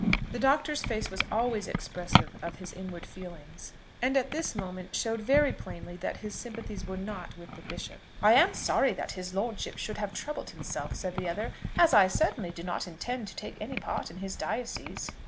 The Doctor's face was always expressive of his inward feelings, and at this moment showed very plainly that his sympathies were not with the Bishop. "I'm sorry that his lordship should have troubled himself," said the other, "as I certainly do not intend to take any part in his diocese."